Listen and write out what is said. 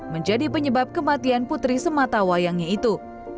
menjadi penyebab kematian putri sematawayangnya itu